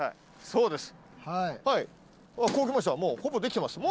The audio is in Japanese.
そうです。